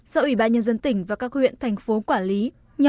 do ủy ban nhân dân tỉnh và các huyện thành phố quản lý